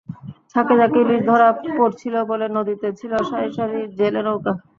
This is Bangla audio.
ঝাঁকে ঝাঁকে ইলিশ ধরা পড়ছিল বলে নদীতে ছিল সারি সারি জেলেনৌকা।